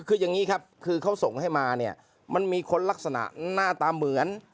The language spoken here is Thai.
คืออย่างนี้ครับคือเขาส่งให้มาเนี่ยมันมีคนลักษณะหน้าตาเหมือน